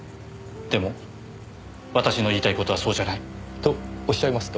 でも私の言いたい事はそうじゃない。とおっしゃいますと？